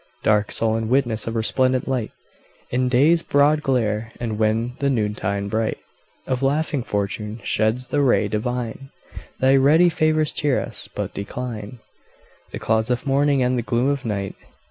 Dark, sullen witness of resplendent light In day's broad glare, and when the noontide bright Of laughing fortune sheds the ray divine, Thy ready favors cheer us but decline The clouds of morning and the gloom of night.